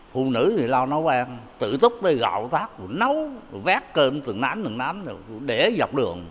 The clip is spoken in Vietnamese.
phụ nữ thì lau nấu ăn tự túc đi gạo tác nấu vét cơm từng nám từng nám để dọc đường